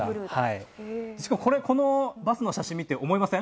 これこのバスの写真見て思いません？